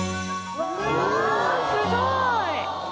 うわっすごい。